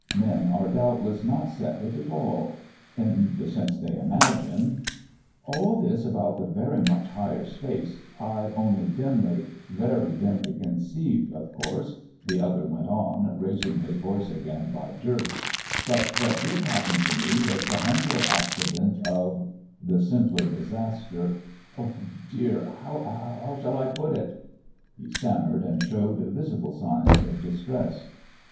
Men are doubtless not separate at all in the sense they imagine " "All this about the very much Higher Space I only dimly, very dimly, conceived, of course," the other went on, raising his voice again by jerks; "but what did happen to me was the humbler accident of the simpler disaster oh, dear, how shall I put it ?" He stammered and showed visible signs of distress.